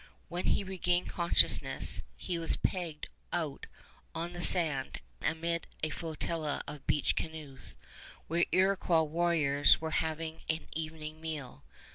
When he regained consciousness, he was pegged out on the sand amid a flotilla of beached canoes, where Iroquois warriors were having an evening meal.